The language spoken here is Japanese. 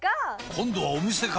今度はお店か！